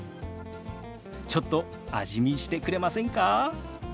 ちょっと味見してくれませんか？